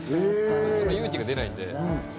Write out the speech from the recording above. その勇気が出ないんで。